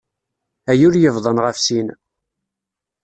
Ay ul yebḍan ɣef sin!